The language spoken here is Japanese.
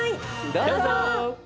どうぞ！